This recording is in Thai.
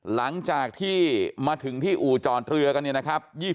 หลังจากที่มาถึงที่อู่จอดเรือกันเนี่ยนะครับ